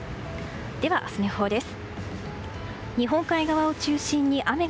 では、明日の予報です。